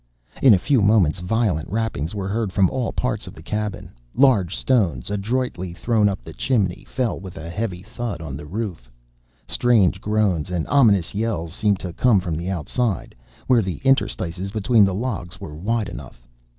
In a few moments violent rappings were heard from all parts of the cabin; large stones (adroitly thrown up the chimney) fell with a heavy thud on the roof. Strange groans and ominous yells seemed to come from the outside (where the interstices between the logs were wide enough).